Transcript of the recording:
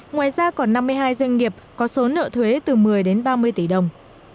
ngoài ra còn năm mươi hai doanh nghiệp có số nợ thuế từ một mươi đến ba mươi tỷ đồng